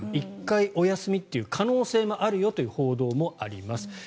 １回お休みという可能性もあるよという報道もあります。